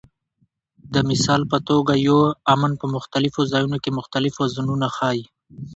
د مثال په توګه یو "امن" په مختلفو ځایونو کې مختلف وزنونه ښيي.